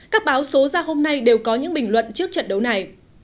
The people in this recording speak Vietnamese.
các báo số ra hôm nay đều có những bình luận trước trận đấu này